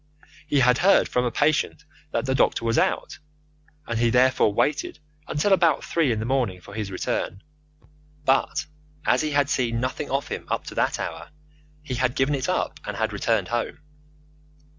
He had heard from a patient that the doctor was out, and he therefore waited until about three in the morning for his return, but as he had seen nothing of him up to that hour, he had given it up and had returned home.